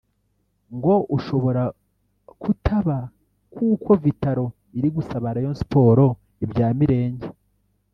ngo ushobora kutaba kuko Vital’O iri gusaba Rayon Sports ibya Mirenge